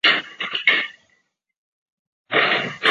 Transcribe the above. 逝世时是美国海军陆战队历史上最有名望的人。